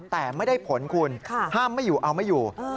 แต่ไม่ได้ผลคุณห้ามไม่อยู่เอาไม่อยู่